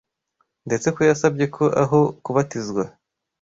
ndetse ko yasabye ko aho kubatizwa